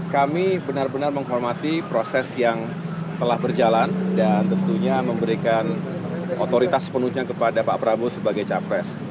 kami benar benar menghormati proses yang telah berjalan dan tentunya memberikan otoritas sepenuhnya kepada pak prabowo sebagai capres